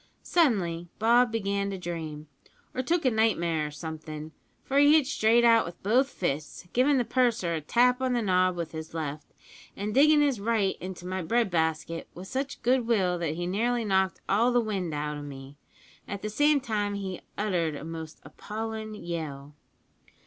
Suddenly Bob began to dream, or took a nightmare or somethin', for he hit straight out with both fists, givin' the purser a tap on the nob with his left, an' diggin' his right into my bread basket with such good will that he nearly knocked all the wind out o' me, at the same time he uttered a most appallin' yell.